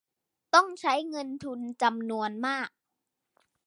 ต้องใช้เงินทุนจำนวนมาก